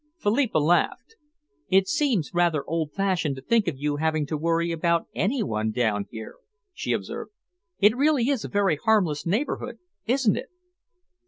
Philippa laughed. "It seems rather old fashioned to think of you having to worry about any one down here," she observed. "It really is a very harmless neighbourhood, isn't it?"